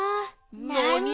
なに？